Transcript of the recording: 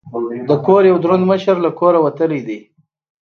د کور یو دروند مشر له کوره وتلی دی.